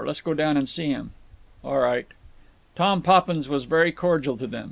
Let's go down and see him." "All right." Tom Poppins was very cordial to them.